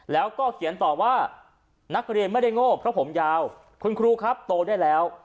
แล้วก็เขียนต่อว่านักเรียนไม่ได้โง่เพราะผมยาวคุณครูครับโตได้แล้ว